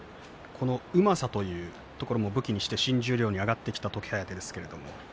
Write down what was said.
うまさというところを武器にして新十両に上がってきた時疾風。